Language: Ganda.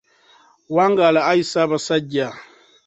Wangaala ayi Ssaabaasajja